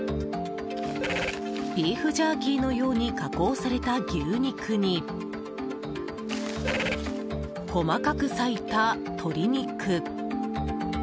ビーフジャーキーのように加工された牛肉に細く割いた鶏肉。